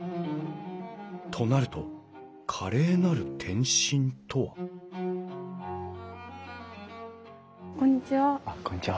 となると華麗なる転身とはこんにちは。